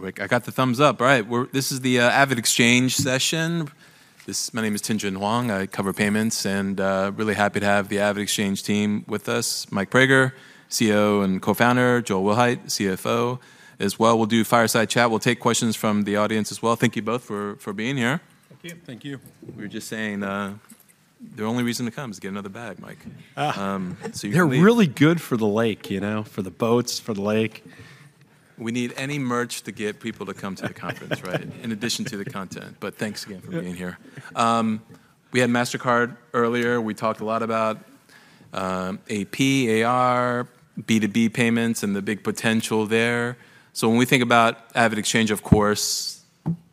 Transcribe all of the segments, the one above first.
All right, I got the thumbs up. All right, this is the AvidXchange session. My name is Tien-tsin Huang. I cover payments, and really happy to have the AvidXchange team with us. Mike Praeger, CEO and co-founder, Joel Wilhite, CFO as well. We'll do a fireside chat. We'll take questions from the audience as well. Thank you both for being here. Thank you. Thank you. We were just saying, the only reason to come is to get another bag, Mike. So you They're really good for the lake, you know, for the boats, for the lake. We need any merch to get people to come to the conference, right? In addition to the content. Thanks again for being here. Yep. We had Mastercard earlier. We talked a lot about AP, AR, B2B payments, and the big potential there. So when we think about AvidXchange, of course,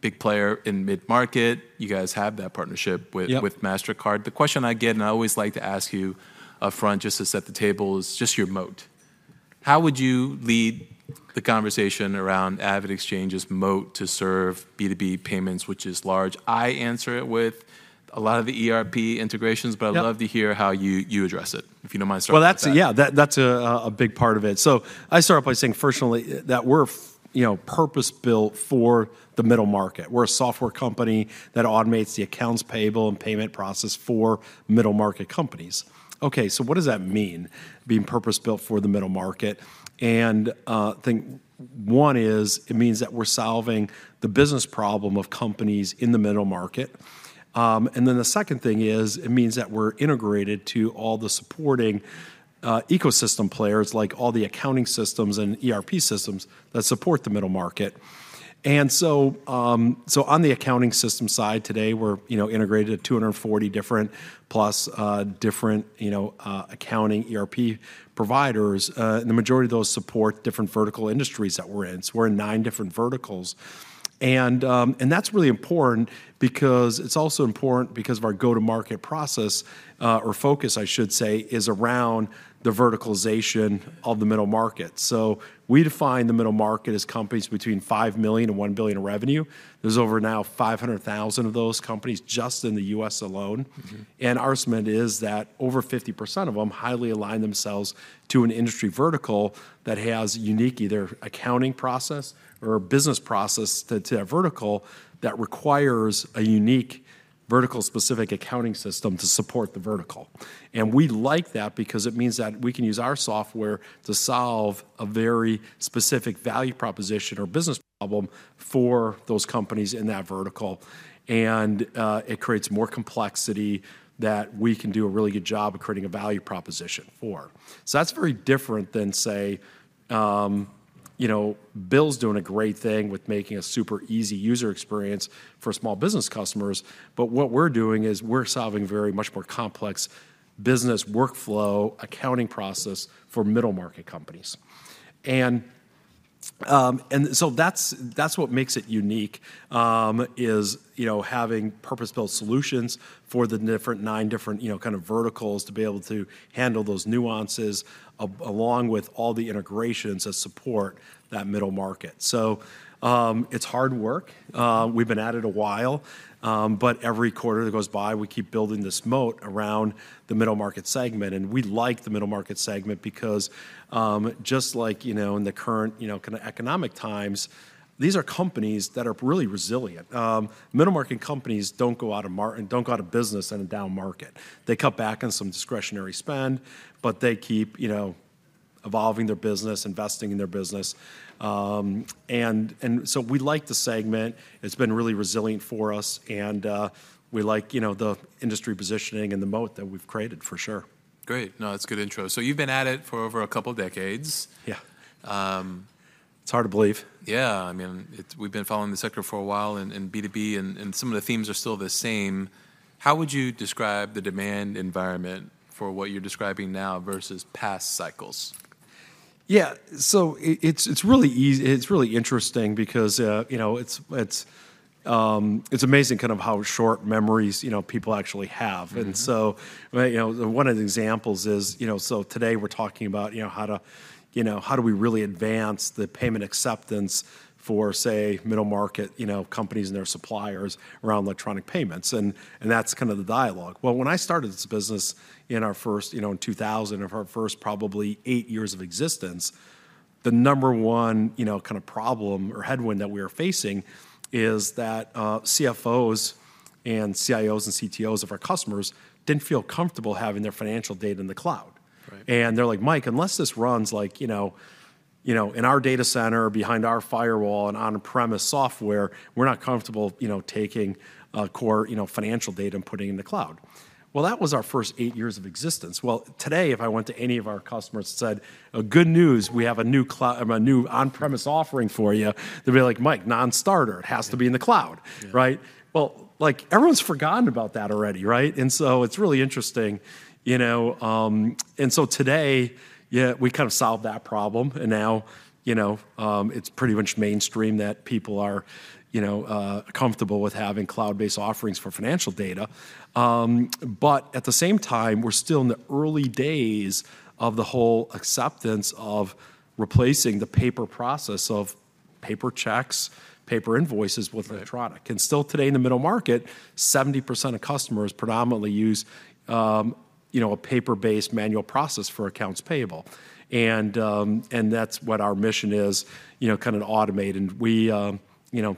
big player in middle market, you guys have that partnership with Yep with Mastercard. The question I get, and I always like to ask you up front, just to set the table, is just your moat. How would you lead the conversation around AvidXchange's moat to serve B2B payments, which is large? I answer it with a lot of the ERP integrations- Yep but I'd love to hear how you address it, if you don't mind starting with that. Well, that's a big part of it. So I start by saying personally that we're, you know, purpose-built for the middle market. We're a software company that automates the accounts payable and payment process for middle-market companies. Okay, so what does that mean, being purpose-built for the middle market? And, I think one is it means that we're solving the business problem of companies in the middle market. And then the second thing is, it means that we're integrated to all the supporting ecosystem players, like all the accounting systems and ERP systems that support the middle market. And so, on the accounting system side, today we're, you know, integrated at 240 different plus different accounting ERP providers. And the majority of those support different vertical industries that we're in. We're in nine different verticals. And that's really important because it's also important because of our go-to-market process, or focus, I should say, is around the verticalization of the middle market. We define the middle market as companies between $5 million and $1 billion in revenue. There's over now 500,000 of those companies just in the U.S. alone. Our estimate is that over 50% of them highly align themselves to an industry vertical that has unique either accounting process or a business process that vertical that requires a unique vertical-specific accounting system to support the vertical. We like that because it means that we can use our software to solve a very specific value proposition or business problem for those companies in that vertical. It creates more complexity that we can do a really good job of creating a value proposition for. So that's very different than, say, you know, Bill's doing a great thing with making a super easy user experience for small business customers, but what we're doing is we're solving very much more complex business workflow, accounting process for middle-market companies. So that's what makes it unique, is, you know, having purpose-built solutions for the different nine different, you know, kind of verticals to be able to handle those nuances along with all the integrations that support that middle market. So, it's hard work. We've been at it a while, but every quarter that goes by, we keep building this moat around the middle-market segment. And we like the middle-market segment because, just like, you know, in the current, you know, kind of economic times, these are companies that are really resilient. Middle-market companies don't go out of business in a down market. They cut back on some discretionary spend, but they keep, you know, evolving their business, investing in their business. And so we like the segment. It's been really resilient for us, and we like, you know, the industry positioning and the moat that we've created, for sure. Great. No, that's a good intro. So you've been at it for over a couple of decades. Yeah. Um. It's hard to believe. Yeah. I mean, we've been following the sector for a while in B2B, and some of the themes are still the same. How would you describe the demand environment for what you're describing now versus past cycles? Yeah. So it's really easy, it's really interesting because, you know, it's amazing kind of how short memories, you know, people actually have. And so, right, you know, one of the examples is, you know, so today we're talking about, you know, how to, you know, how do we really advance the payment acceptance for, say, middle-market, you know, companies and their suppliers around electronic payments? And, and that's kind of the dialogue. Well, when I started this business in our first, you know, in 2000, of our first probably eight years of existence, the number one, you know, kind of problem or headwind that we were facing is that, CFOs and CIOs and CTOs of our customers didn't feel comfortable having their financial data in the cloud. Right. And they're like: Mike, unless this runs like, you know, you know, in our data center, behind our firewall, and on-premise software, we're not comfortable, you know, taking core, you know, financial data and putting it in the cloud. Well, that was our first eight years of existence. Well, today, if I went to any of our customers and said: "Good news, we have a new on-premise offering for you," they'd be like, "Mike, non-starter. It has to be in the cloud. Yeah. Right? Well, like, everyone's forgotten about that already, right? And so it's really interesting, you know. And so today, yeah, we kind of solved that problem, and now, you know, it's pretty much mainstream that people are, you know, comfortable with having cloud-based offerings for financial data. But at the same time, we're still in the early days of the whole acceptance of replacing the paper process of paper invoices with electronic. And still today in the middle market, 70% of customers predominantly use, you know, a paper-based manual process for accounts payable. And, and that's what our mission is, you know, kind of to automate. And we, you know,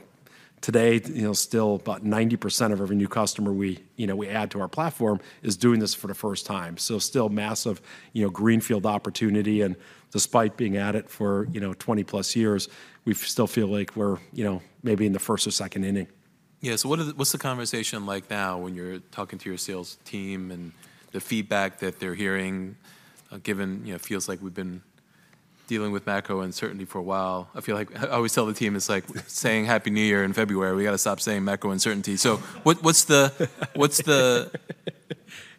today, you know, still about 90% of every new customer we, you know, we add to our platform is doing this for the first time. So still massive, you know, greenfield opportunity, and despite being at it for, you know, 20-plus years, we still feel like we're, you know, maybe in the first or second inning. Yeah. So what is the, what's the conversation like now when you're talking to your sales team and the feedback that they're hearing, given, you know, feels like we've been dealing with macro uncertainty for a while? I feel like I always tell the team it's like saying Happy New Year in February. We've got to stop saying macro uncertainty. So what's the...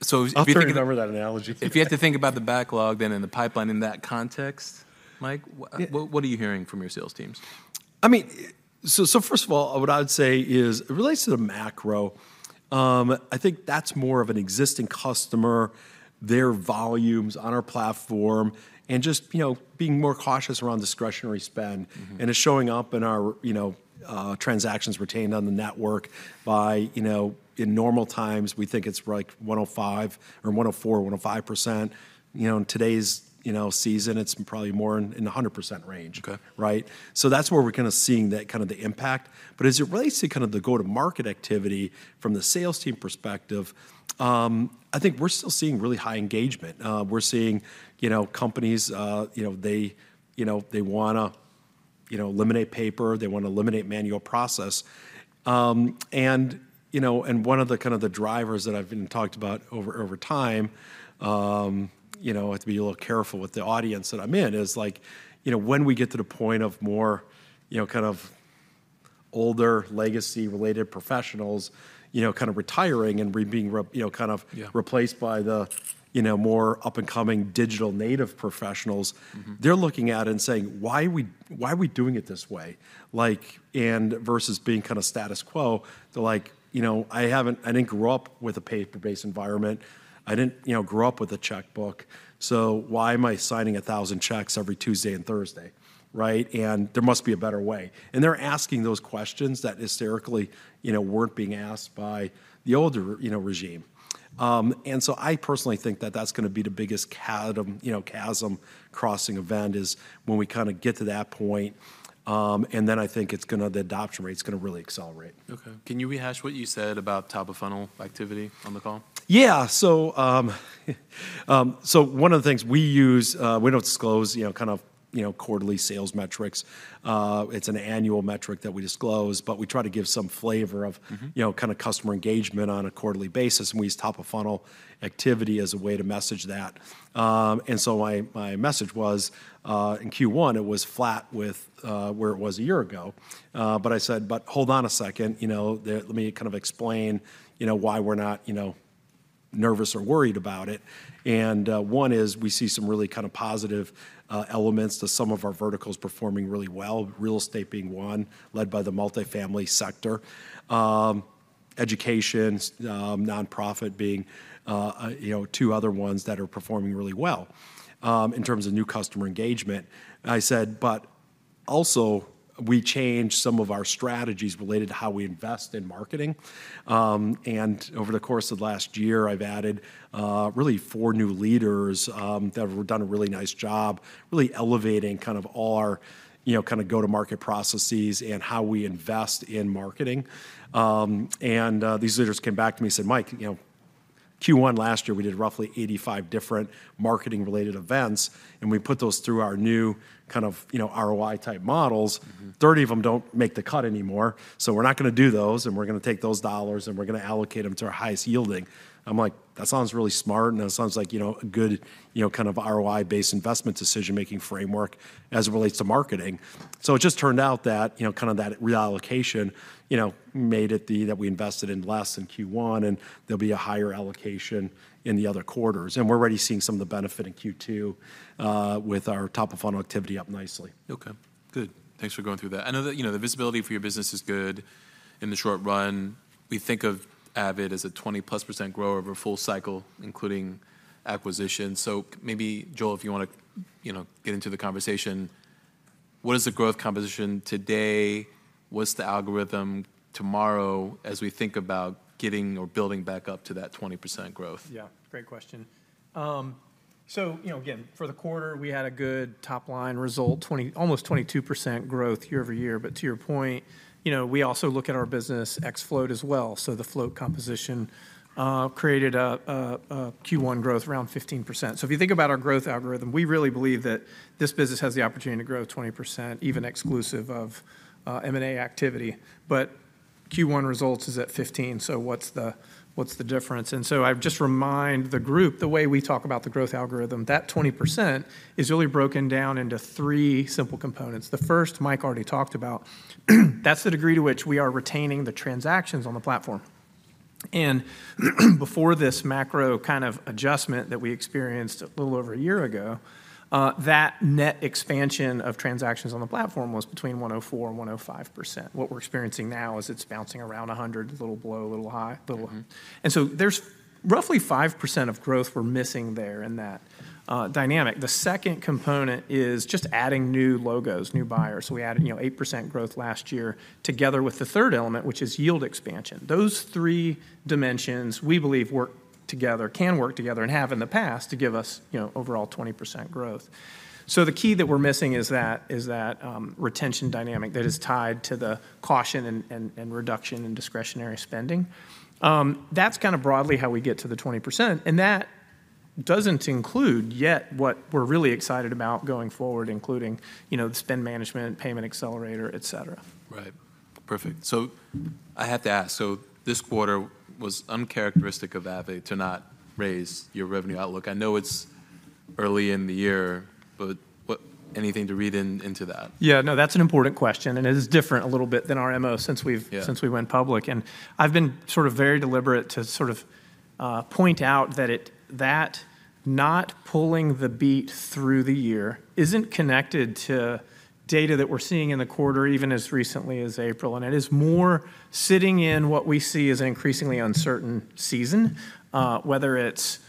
So if you think- I'll bring over that analogy. If you had to think about the backlog then and the pipeline in that context, Mike Yeah what are you hearing from your sales teams? I mean, so, so first of all, what I would say is it relates to the macro. I think that's more of an existing customer, their volumes on our platform, and just, you know, being more cautious around discretionary spend. It's showing up in our, you know, transactions retained on the network by, you know, in normal times, we think it's like 105%, or 104%-105%. You know, in today's, you know, season, it's probably more in the 100% range. Okay. Right? So that's where we're kind of seeing that kind of the impact. But as it relates to kind of the go-to-market activity from the sales team perspective, I think we're still seeing really high engagement. We're seeing, you know, companies, you know, they, you know, they wanna, you know, eliminate paper, they wanna eliminate manual process. And, you know, and one of the kind of the drivers that I've been talked about over, over time, you know, I have to be a little careful with the audience that I'm in, is like, you know, when we get to the point of more, you know, kind of older legacy-related professionals, you know, kind of retiring and you know, kind of- Yeah replaced by the, you know, more up-and-coming digital native professionals they're looking at it and saying: "Why are we, why are we doing it this way?" Like, and versus being kind of status quo, they're like, "You know, I haven't, I didn't grow up with a paper-based environment. I didn't, you know, grow up with a checkbook, so why am I signing 1,000 checks every Tuesday and Thursday," right? "And there must be a better way." They're asking those questions that historically, you know, weren't being asked by the older, you know, regime. And so I personally think that that's gonna be the biggest chasm, you know, chasm crossing event, is when we kinda get to that point. And then I think it's gonna, the adoption rate's gonna really accelerate. Okay. Can you rehash what you said about top-of-funnel activity on the call? Yeah. So, one of the things we use, we don't disclose, you know, kind of, you know, quarterly sales metrics. It's an annual metric that we disclose, but we try to give some flavor of you know, kind of customer engagement on a quarterly basis, and we use top-of-funnel activity as a way to message that. And so my message was, in Q1, it was flat with where it was a year ago. But I said, "But hold on a second, you know, there, let me kind of explain, you know, why we're not, you know, nervous or worried about it." And one is we see some really kind of positive elements to some of our verticals performing really well, real estate being one, led by the multifamily sector. Education, nonprofit being, you know, two other ones that are performing really well. In terms of new customer engagement, I said, but also, we changed some of our strategies related to how we invest in marketing. Over the course of last year, I've added really four new leaders that have done a really nice job, really elevating kind of all our, you know, kind of go-to-market processes and how we invest in marketing. These leaders came back to me and said, "Mike, you know, Q1 last year, we did roughly 85 different marketing-related events, and we put those through our new kind of, you know, ROI-type models. 30 of them don't make the cut anymore, so we're not gonna do those, and we're gonna take those dollars, and we're gonna allocate them to our highest yielding. I'm like: That sounds really smart, and it sounds like, you know, a good, you know, kind of ROI-based investment decision-making framework as it relates to marketing. So it just turned out that, you know, kind of that reallocation, you know, made it be that we invested in less in Q1, and there'll be a higher allocation in the other quarters. And we're already seeing some of the benefit in Q2, with our top-of-funnel activity up nicely. Okay, good. Thanks for going through that. I know that, you know, the visibility for your business is good in the short run. We think of Avid as a 20%+ grower over a full cycle, including acquisition. So maybe Joel, if you want to, you know, get into the conversation, what is the growth composition today? What's the algorithm tomorrow as we think about getting or building back up to that 20% growth? Yeah, great question. So you know, again, for the quarter, we had a good top-line result, almost 22% growth year-over-year. But to your point, you know, we also look at our business ex float as well. So the float composition created a Q1 growth around 15%. So if you think about our growth algorithm, we really believe that this business has the opportunity to grow 20%, even exclusive of M&A activity. But Q1 results is at 15, so what's the difference? And so I've just remind the group, the way we talk about the growth algorithm, that 20% is really broken down into three simple components. The first, Mike already talked about. That's the degree to which we are retaining the transactions on the platform. Before this macro kind of adjustment that we experienced a little over a year ago, that net expansion of transactions on the platform was between 104%-105%. What we're experiencing now is it's bouncing around 100, a little below, a little high, little And so there's roughly 5% of growth we're missing there in that dynamic. The second component is just adding new logos, new buyers. We added, you know, 8% growth last year, together with the third element, which is yield expansion. Those three dimensions, we believe, work- together, can work together, and have in the past, to give us, you know, overall 20% growth. So the key that we're missing is that retention dynamic that is tied to the caution and reduction in discretionary spending. That's kind of broadly how we get to the 20%, and that doesn't include yet what we're really excited about going forward, including, you know, the Spend Management, Payment Accelerator, et cetera. Right. Perfect. So I have to ask, so this quarter was uncharacteristic of Avid to not raise your revenue outlook. I know it's early in the year, but what, anything to read into that? Yeah, no, that's an important question, and it is different a little bit than our MO since we've- Yeah since we went public. And I've been sort of very deliberate to sort of point out that it, that not pulling the beat through the year isn't connected to data that we're seeing in the quarter, even as recently as April, and it is more sitting in what we see as an increasingly uncertain season. Whether it's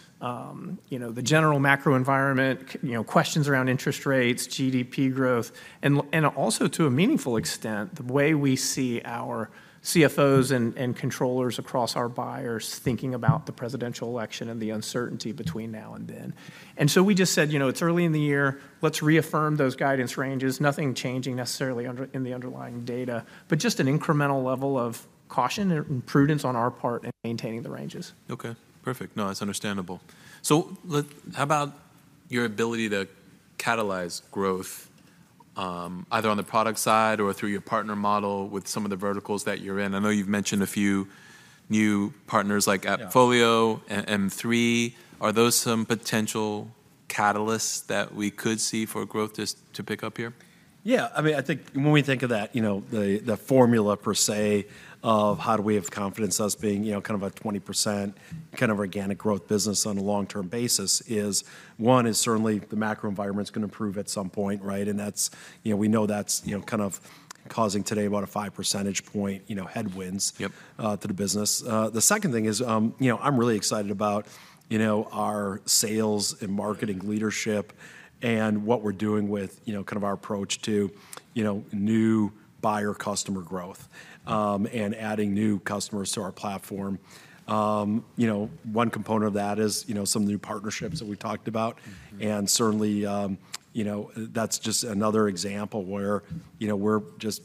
you know the general macro environment, you know questions around interest rates, GDP growth, and also, to a meaningful extent, the way we see our CFOs and controllers across our buyers thinking about the presidential election and the uncertainty between now and then. And so we just said, "You know, it's early in the year. Let's reaffirm those guidance ranges." Nothing changing necessarily in the underlying data, but just an incremental level of caution and prudence on our part in maintaining the ranges. Okay, perfect. No, that's understandable. So how about your ability to catalyze growth, either on the product side or through your partner model with some of the verticals that you're in? I know you've mentioned a few new partners, like- Yeah AppFolio and M3. Are those some potential catalysts that we could see for growth just to pick up here? Yeah. I mean, I think when we think of that, you know, the formula per se, of how do we have confidence as being, you know, kind of a 20% kind of organic growth business on a long-term basis is: one is certainly the macro environment's going to improve at some point, right? And that's, you know, we know that's, you know, kind of causing today about a five percentage point, you know, headwinds- Yep to the business. The second thing is, you know, I'm really excited about, you know, our sales and marketing leadership and what we're doing with, you know, kind of our approach to, you know, new buyer customer growth, and adding new customers to our platform. You know, one component of that is, you know, some new partnerships that we talked about. Mm-hmm. Certainly, you know, that's just another example where, you know, we're just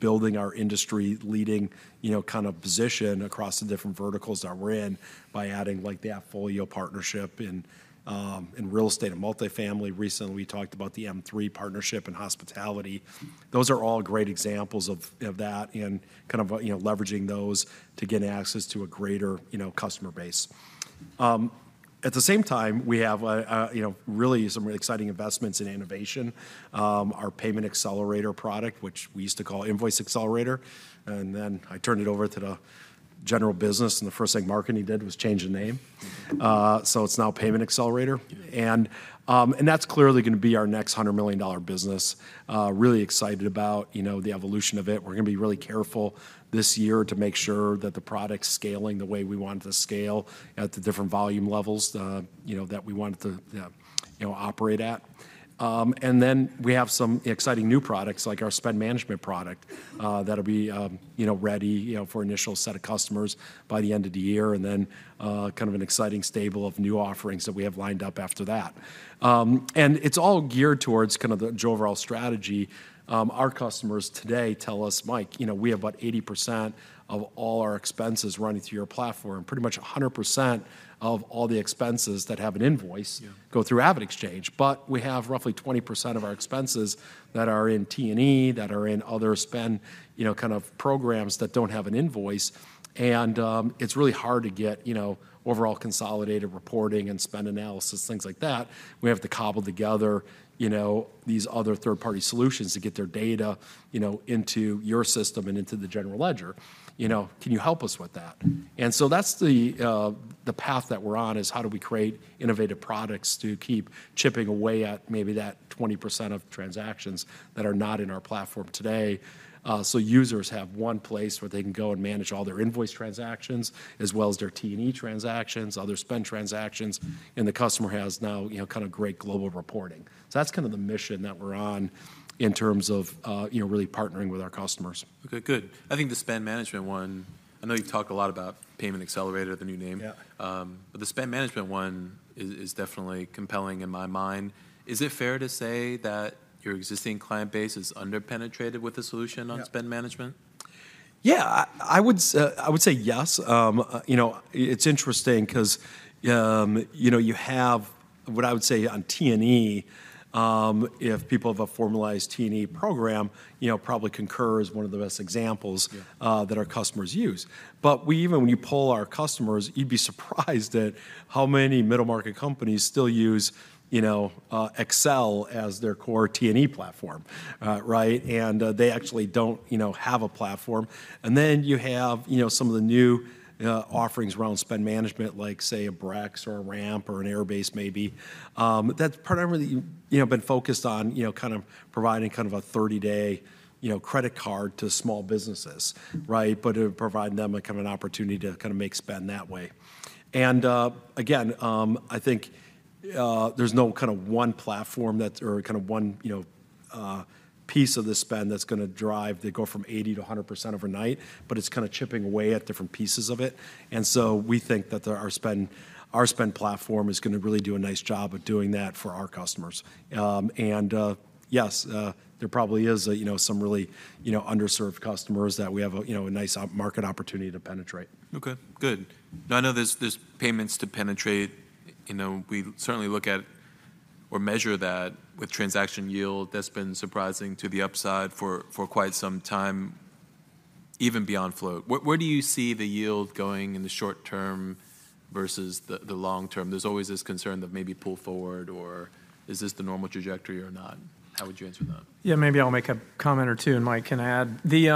building our industry-leading, you know, kind of position across the different verticals that we're in by adding, like, the AppFolio partnership in, in real estate and multifamily. Recently, we talked about the M3 partnership and hospitality. Those are all great examples of, of that and kind of, you know, leveraging those to get access to a greater, you know, customer base. At the same time, we have a, a, you know, really some exciting investments in innovation. Our Payment Accelerator product, which we used to call Invoice Accelerator, and then I turned it over to the general business, and the first thing marketing did was change the name. So it's now Payment Accelerator. Yeah. That's clearly going to be our next $100 million business. Really excited about, you know, the evolution of it. We're going to be really careful this year to make sure that the product's scaling the way we want it to scale at the different volume levels, you know, that we want it to, you know, operate at. And then we have some exciting new products, like our Spend Management product, that'll be, you know, ready, you know, for initial set of customers by the end of the year, and then, kind of an exciting stable of new offerings that we have lined up after that. And it's all geared towards kind of the overall strategy. Our customers today tell us, "Mike, you know, we have about 80% of all our expenses running through your platform. Pretty much 100% of all the expenses that have an invoice- Yeah go through AvidXchange, but we have roughly 20% of our expenses that are in T&E, that are in other spend, you know, kind of programs that don't have an invoice. And it's really hard to get, you know, overall consolidated reporting and spend analysis, things like that. We have to cobble together, you know, these other third-party solutions to get their data, you know, into your system and into the general ledger. You know, can you help us with that? And so that's the path that we're on, is how do we create innovative products to keep chipping away at maybe that 20% of transactions that are not in our platform today? So users have one place where they can go and manage all their invoice transactions as well as their T&E transactions, other spend transactions, and the customer has now, you know, kind of great global reporting. So that's kind of the mission that we're on in terms of, you know, really partnering with our customers. Okay, good. I think the Spend Management one, I know you've talked a lot about Payment Accelerator, the new name. Yeah. But the Spend Management one is definitely compelling in my mind. Is it fair to say that your existing client base is under-penetrated with the solution- Yeah on Spend Management? Yeah, I would say yes. You know, it's interesting 'cause, you know, you have what I would say on T&E, if people have a formalized T&E program, you know, probably Concur is one of the best examples- Yeah that our customers use. But we, even when you poll our customers, you'd be surprised at how many middle-market companies still use, you know, Excel as their core T&E platform, right? And they actually don't, you know, have a platform. And then you have, you know, some of the new offerings around Spend Management, like, say, a Brex or a Ramp or an Airbase maybe. That's primarily, you know, been focused on, you know, kind of providing kind of a 30-day, you know, credit card to small businesses, right? But it would provide them a kind of an opportunity to kind of make spend that way. And again, I think there's no kind of one platform that's or kind of one, you know piece of the spend that's gonna drive to go from 80 to 100% overnight, but it's kind of chipping away at different pieces of it. And so we think that our spend, our spend platform is gonna really do a nice job of doing that for our customers. There probably is, you know, some really, you know, underserved customers that we have a, you know, a nice open-market opportunity to penetrate. Okay, good. Now, I know there's payments to penetrate. You know, we certainly look at or measure that with transaction yield that's been surprising to the upside for quite some time, even beyond float. Where do you see the yield going in the short term versus the long term? There's always this concern that maybe pull forward, or is this the normal trajectory or not? How would you answer that? Yeah, maybe I'll make a comment or two, and Mike can add. The,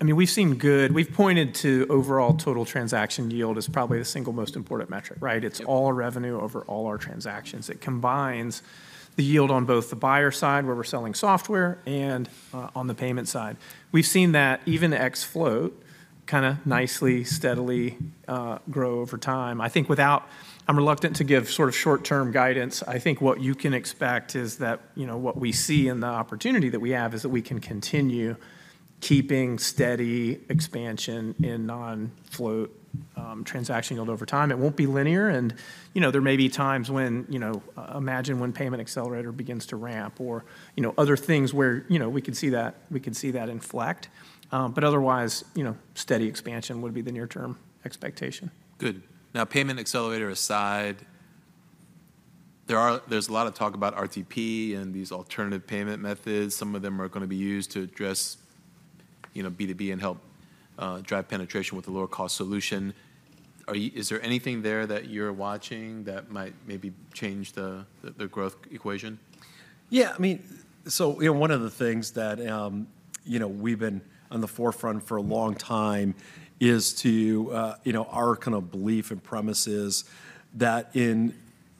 I mean, we've pointed to overall total transaction yield as probably the single most important metric, right? Yeah. It's all revenue over all our transactions. It combines the yield on both the buyer side, where we're selling software, and on the payment side. We've seen that even ex float, kinda nicely, steadily grow over time. I think without... I'm reluctant to give sort of short-term guidance. I think what you can expect is that, you know, what we see in the opportunity that we have is that we can continue keeping steady expansion in non-float transaction yield over time. It won't be linear, and, you know, there may be times when, you know, imagine when Payment Accelerator begins to ramp, or, you know, other things where, you know, we can see that, we can see that inflect. But otherwise, you know, steady expansion would be the near-term expectation. Good. Now, Payment Accelerator aside, there are—there's a lot of talk about RTP and these alternative payment methods. Some of them are gonna be used to address, you know, B2B and help drive penetration with a lower-cost solution. Are you—is there anything there that you're watching that might maybe change the, the, the growth equation? Yeah, I mean, so, you know, one of the things that, you know, we've been on the forefront for a long time is to, you know, our kind of belief and premise is that in,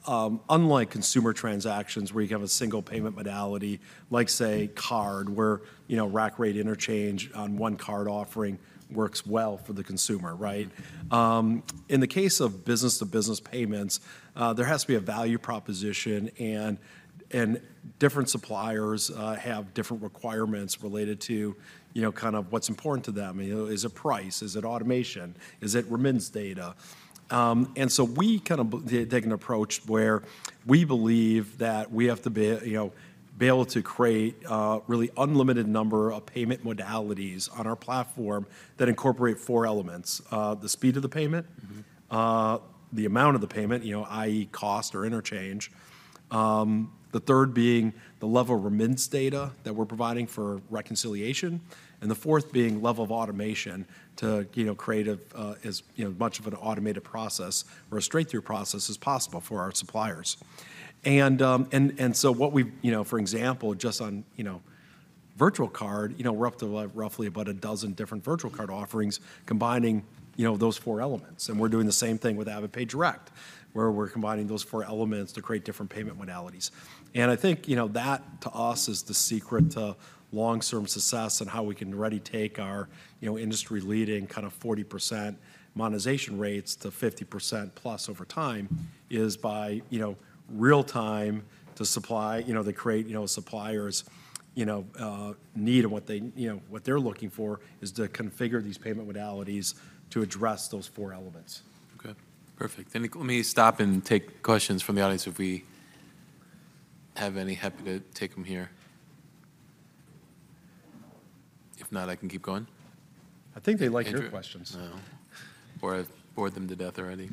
unlike consumer transactions, where you have a single payment modality, like, say, card, where, you know, rack rate interchange on one card offering works well for the consumer, right? In the case of business-to-business payments, there has to be a value proposition, and, and different suppliers, have different requirements related to, you know, kind of what's important to them. You know, is it price? Is it automation? Is it remittance data? and so we kind of take an approach where we believe that we have to be, you know, be able to create a really unlimited number of payment modalities on our platform that incorporate four elements: the speed of the payment The amount of the payment, you know, i.e., cost or interchange, the third being the level of remittance data that we're providing for reconciliation, and the fourth being level of automation to, you know, create a, as, you know, much of an automated process or a straight-through process as possible for our suppliers. And, and, and so what we've. You know, for example, just on, you know, virtual card, you know, we're up to, roughly about a dozen different virtual card offerings combining, you know, those four elements. And we're doing the same thing with AvidPay Direct, where we're combining those four elements to create different payment modalities. I think, you know, that, to us, is the secret to long-term success and how we can already take our, you know, industry-leading kind of 40% monetization rates to 50%+ over time, is by, you know, real time to supply, you know, to create, you know, suppliers', you know, need and what they, you know, what they're looking for, is to configure these payment modalities to address those four elements. Okay, perfect. Let me stop and take questions from the audience, if we have any. Happy to take them here. If not, I can keep going. I think they like your questions. I know. Or I've bored them to death already.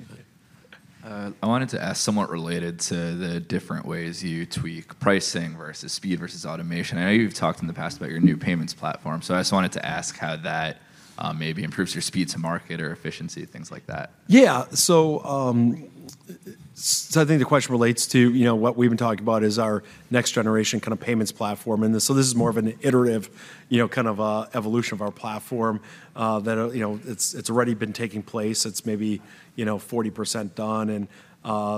I wanted to ask somewhat related to the different ways you tweak pricing versus speed versus automation. I know you've talked in the past about your new payments platform, so I just wanted to ask how that, maybe improves your speed to market or efficiency, things like that. Yeah. So, I think the question relates to, you know, what we've been talking about is our next-generation kind of payments platform, and so this is more of an iterative, you know, kind of a evolution of our platform, that, you know, it's, it's already been taking place. It's maybe, you know, 40% done, and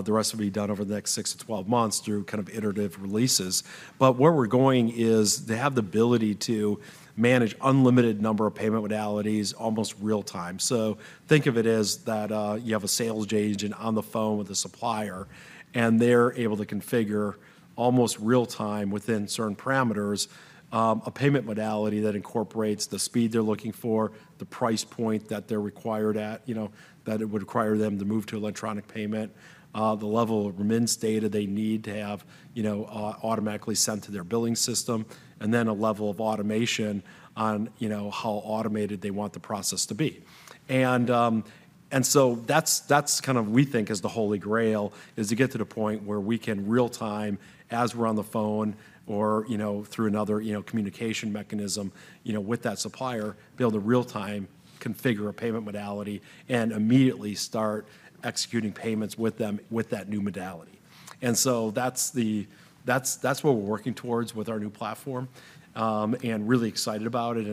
the rest will be done over the next 6-12 months through kind of iterative releases. But where we're going is to have the ability to manage unlimited number of payment modalities, almost real time. So think of it as that, you have a sales agent on the phone with a supplier, and they're able to configure, almost real time within certain parameters, a payment modality that incorporates the speed they're looking for, the price point that they're required at, you know, that it would require them to move to electronic payment, the level of remittance data they need to have, you know, automatically sent to their billing system, and then a level of automation on, you know, how automated they want the process to be. And so that's, that's kind of we think is the Holy Grail, is to get to the point where we can real time, as we're on the phone or, you know, through another, you know, communication mechanism, you know, with that supplier, be able to real time configure a payment modality and immediately start executing payments with them with that new modality. And so that's, that's what we're working towards with our new platform, and really excited about it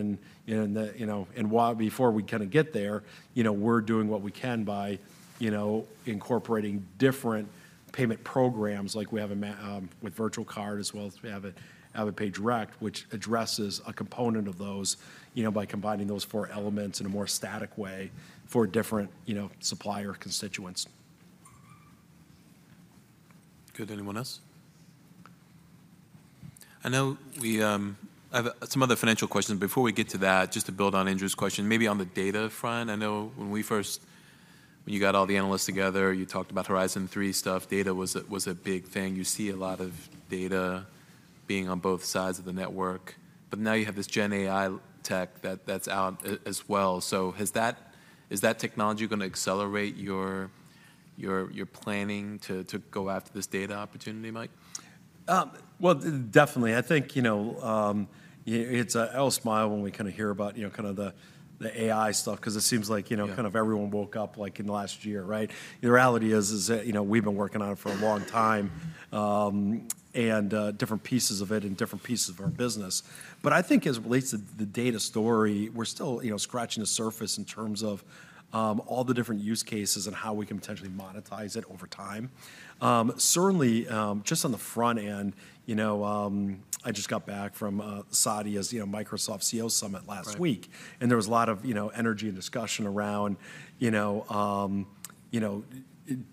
you know, and while before we kinda get there, you know, we're doing what we can by, you know, incorporating different payment programs, like we have a with virtual card, as well as we have a AvidPay Direct, which addresses a component of those, you know, by combining those four elements in a more static way for different, you know, supplier constituents. Good. Anyone else? I know we, I have some other financial questions. Before we get to that, just to build on Andrew's question, maybe on the data front, I know when we first, when you got all the analysts together, you talked about Horizon Three stuff. Data was a big thing. You see a lot of data being on both sides of the network, but now you have this Gen AI tech that's out as well. So, is that technology going to accelerate your planning to go after this data opportunity, Mike? Well, definitely. I think, you know, it's, I always smile when we kinda hear about, you know, kind of the, the AI stuff 'cause it seems like, you know Yeah kind of everyone woke up, like, in the last year, right? The reality is that, you know, we've been working on it for a long time, and different pieces of it in different pieces of our business. But I think as it relates to the data story, we're still, you know, scratching the surface in terms of, all the different use cases and how we can potentially monetize it over time. Certainly, just on the front end, you know, I just got back from, Saudi, as you know, Microsoft CEO Summit last week. Right. And there was a lot of, you know, energy and discussion around, you know,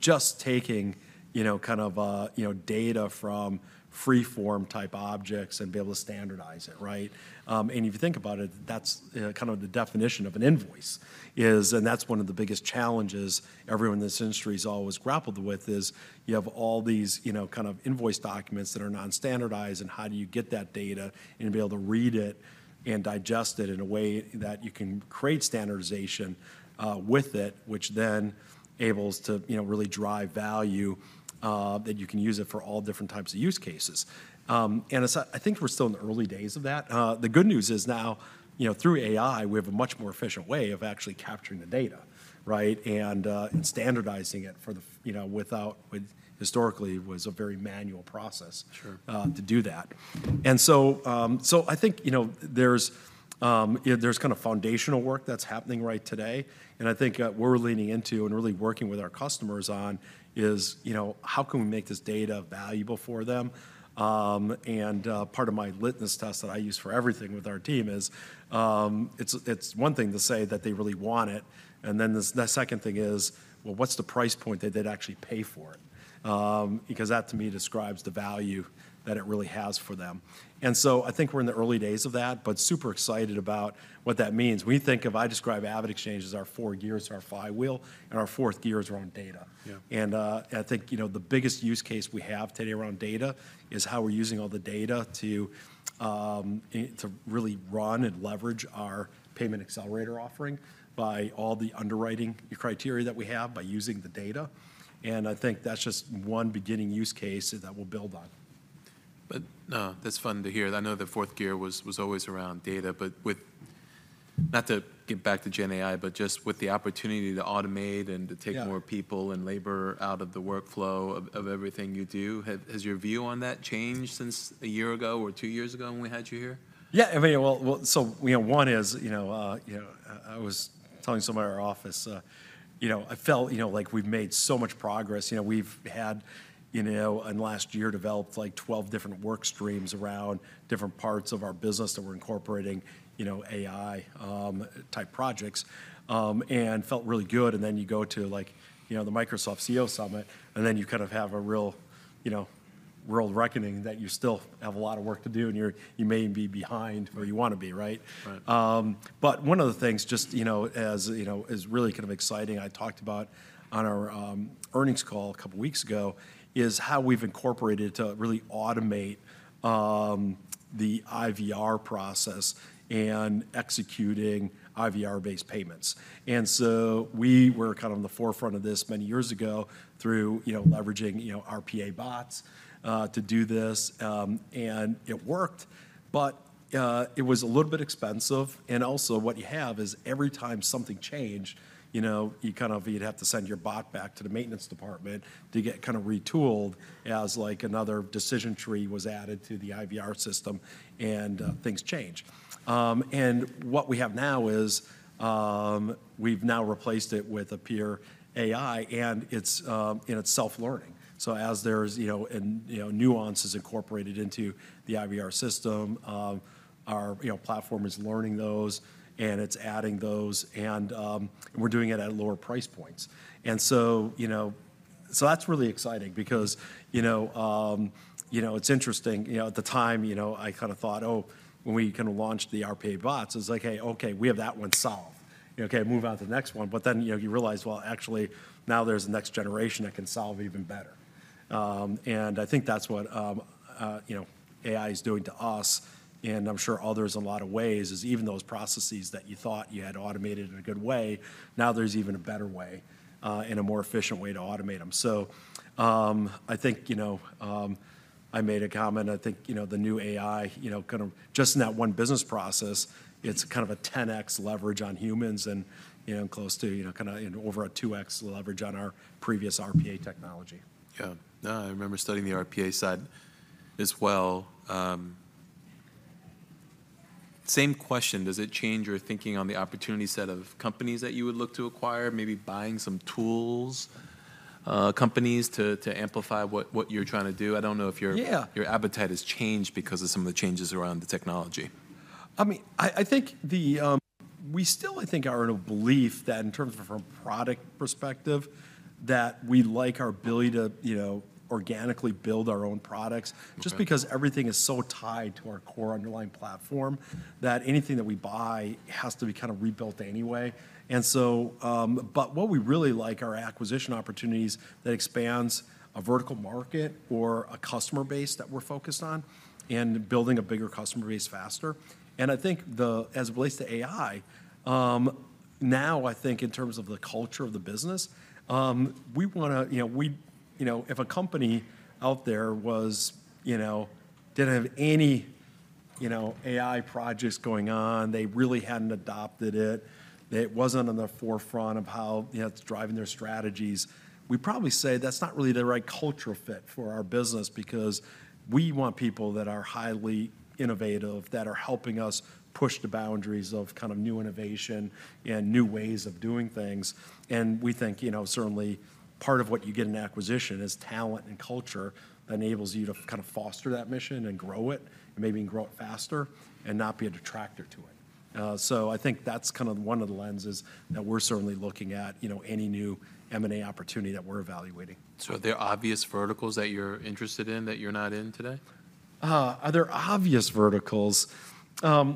just taking, you know, kind of, data from free-form-type objects and be able to standardize it, right? And if you think about it, that's kind of the definition of an invoice, is and that's one of the biggest challenges everyone in this industry has always grappled with, is you have all these, you know, kind of invoice documents that are non-standardized, and how do you get that data and be able to read it and digest it in a way that you can create standardization, with it, which then enables to, you know, really drive value, that you can use it for all different types of use cases. And it's, I think we're still in the early days of that. The good news is now, you know, through AI, we have a much more efficient way of actually capturing the data, right? And standardizing it, you know, without which historically was a very manual process. Sure to do that. And so, so I think, you know, there's, there's kind of foundational work that's happening right today, and I think, we're leaning into and really working with our customers on is, you know, how can we make this data valuable for them? And, part of my litmus test that I use for everything with our team is, it's, it's one thing to say that they really want it, and then the second thing is, well, what's the price point that they'd actually pay for it? Because that, to me, describes the value that it really has for them. And so I think we're in the early days of that, but super excited about what that means. We think of, I describe AvidXchange as our four gears, our flywheel, and our fourth gear is around data. Yeah. And, I think, you know, the biggest use case we have today around data is how we're using all the data to, to really run and leverage our Payment Accelerator offering by all the underwriting criteria that we have by using the data, and I think that's just one beginning use case that we'll build on. But that's fun to hear. I know the fourth gear was always around data, but with... Not to get back to Gen AI, but just with the opportunity to automate and to take- Yeah more people and labor out of the workflow of everything you do, has your view on that changed since a year ago or two years ago when we had you here? Yeah, I mean, well, well, so, you know, one is, you know, I was telling somebody in our office, you know, I felt, you know, like we've made so much progress. You know, we've had, you know, in the last year, developed, like, 12 different work streams around different parts of our business that we're incorporating, you know, AI type projects, and felt really good. And then you go to, like, you know, the Microsoft CEO Summit, and then you kind of have a real, you know, real reckoning that you still have a lot of work to do, and you're- you may even be behind where you want to be, right? Right. But one of the things just, you know, as you know, is really kind of exciting. I talked about on our earnings call a couple weeks ago is how we've incorporated to really automate the IVR process and executing IVR-based payments. And so we were kind of on the forefront of this many years ago through, you know, leveraging, you know, RPA bots to do this. And it worked, but it was a little bit expensive. And also, what you have is every time something changed, you know, you kind of, you'd have to send your bot back to the maintenance department to get kind of retooled as, like, another decision tree was added to the IVR system, and things change. And what we have now is, we've now replaced it with Gen AI, and it's, and it's self-learning. So as there's, you know, nuances incorporated into the IVR system, our, you know, platform is learning those, and it's adding those, and, we're doing it at lower price points. And so, you know, so that's really exciting because, you know, you know, it's interesting. You know, at the time, you know, I kind of thought, Oh, when we kind of launched the RPA bots, it was like, Hey, okay, we have that one solved. You know, okay, move on to the next one. But then, you know, you realize, well, actually, now there's a next generation that can solve even better. And I think that's what, you know, AI is doing to us, and I'm sure others in a lot of ways, is even those processes that you thought you had automated in a good way, now there's even a better way, and a more efficient way to automate them. So, I think, you know, I made a comment, I think, you know, the new AI, you know, kind of just in that one business process, it's kind of a 10x leverage on humans and, you know, close to, you know, kind of over a 2x leverage on our previous RPA technology. Yeah. No, I remember studying the RPA side as well. Same question: Does it change your thinking on the opportunity set of companies that you would look to acquire, maybe buying some tools, companies to amplify what you're trying to do? I don't know if your- Yeah your appetite has changed because of some of the changes around the technology. I mean, I, I think the, we still, I think, are in a belief that in terms of from a product perspective, that we like our ability to, you know, organically build our own products. Okay. Just because everything is so tied to our core underlying platform, that anything that we buy has to be kind of rebuilt anyway. And so, but what we really like are acquisition opportunities that expands a vertical market or a customer base that we're focused on, and building a bigger customer base faster. And I think, as it relates to AI, now, I think in terms of the culture of the business, we wanna, you know, we, you know, if a company out there was, you know, didn't have any, you know, AI projects going on, they really hadn't adopted it, it wasn't on the forefront of how, you know, it's driving their strategies, we'd probably say that's not really the right cultural fit for our business. Because we want people that are highly innovative, that are helping us push the boundaries of kind of new innovation and new ways of doing things. We think, you know, certainly part of what you get in acquisition is talent and culture that enables you to kind of foster that mission and grow it, and maybe even grow it faster, and not be a detractor to it. So I think that's kind of one of the lenses that we're certainly looking at, you know, any new M&A opportunity that we're evaluating. So are there obvious verticals that you're interested in that you're not in today? Are there obvious verticals? I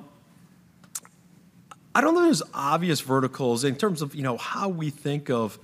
don't know there's obvious verticals in terms of, you know, how we think of,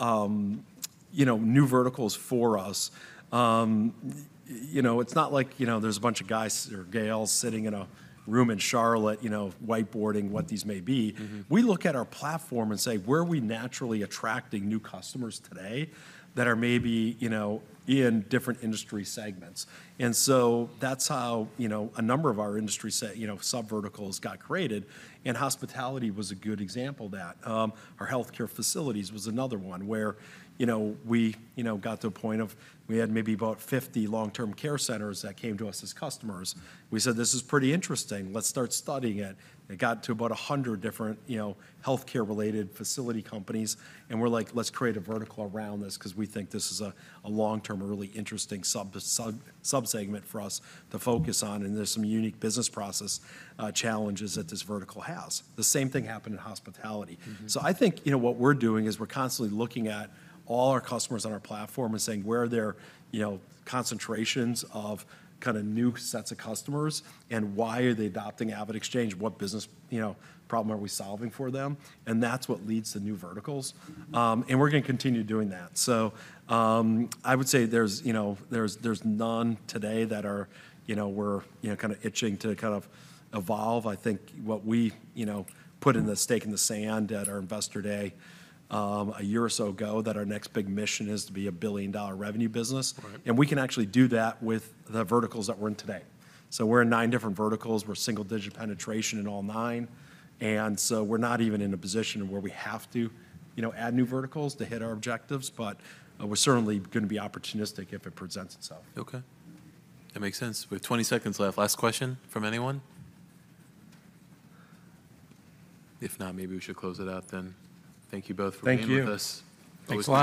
you know, new verticals for us. You know, it's not like, you know, there's a bunch of guys or gals sitting in a room in Charlotte, you know, whiteboarding what these may be. We look at our platform and say, "Where are we naturally attracting new customers today, that are maybe, you know, in different industry segments?" And so that's how, you know, a number of our industry subverticals got created, and hospitality was a good example of that. Our healthcare facilities was another one, where, you know, we, you know, got to a point of we had maybe about 50 long-term care centers that came to us as customers. We said, "This is pretty interesting. Let's start studying it." It got to about 100 different, you know, healthcare-related facility companies, and we're like: Let's create a vertical around this, 'cause we think this is a long-term, a really interesting subsegment for us to focus on, and there's some unique business process challenges that this vertical has. The same thing happened in hospitality. So I think, you know, what we're doing is we're constantly looking at all our customers on our platform and saying, "Where are there, you know, concentrations of kind of new sets of customers, and why are they adopting AvidXchange? What business, you know, problem are we solving for them?" And that's what leads to new verticals. And we're gonna continue doing that. So, I would say there's, you know, none today that are, you know, we're, you know, kind of itching to kind of evolve. I think what we, you know, put in the stake in the sand at our Investor Day, a year or so ago, that our next big mission is to be a billion-dollar revenue business. Right. And we can actually do that with the verticals that we're in today. So we're in nine different verticals. We're single-digit penetration in all nine, and so we're not even in a position where we have to, you know, add new verticals to hit our objectives. But, we're certainly gonna be opportunistic if it presents itself. Okay, that makes sense. We have 20 seconds left. Last question from anyone? If not, maybe we should close it out then. Thank you both for being with us. Thank you. Thanks a lot.